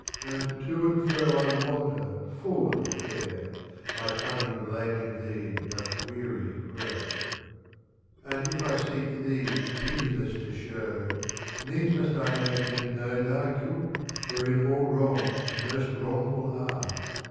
And to and fro I wander full of care, * My tongue in blaming thee doth weary grow; And if I seek thee pitiless to show. Needs must I make men know Thy guilt, wherein all wrongs most wrong ful are.